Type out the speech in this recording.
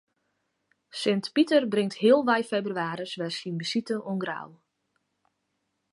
Sint Piter bringt healwei febrewaris wer syn besite oan Grou.